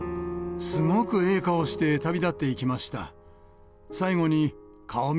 すごくええ顔して旅立っていきました。